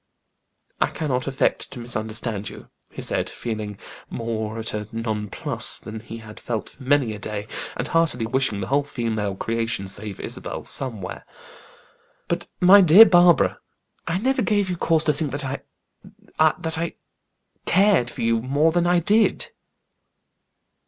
"I cannot affect to misunderstand you," he said, feeling more at a nonplus than he had felt for many a day, and heartily wishing the whole female creation, save Isabel, somewhere. "But my dear Barbara. I never gave you cause to think I that I cared for you more than I did."